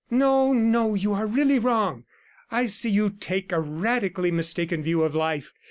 'No, no, you are really wrong. I see you take a radically mistaken view of life.